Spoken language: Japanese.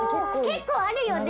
結構あるよね。